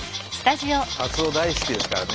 カツオ大好きですからね